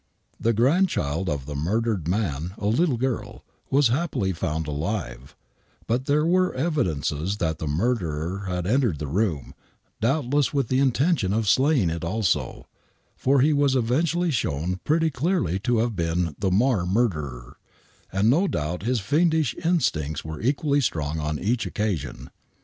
The grandchild of the murdered man, a little girl, was happily found alive, but there were evidences that the murderer had entered the room, doubtless with the intention of slaying it also, for he was eventually shown pretty clearly to have been the Marr murderer, and, no doubt,, his fiendish instincts were equally strong on each occasion.